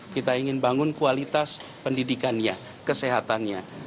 kita ingin bangun kualitas pendidikannya kesehatannya